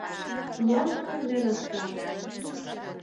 — Мом нунын дене ышташ?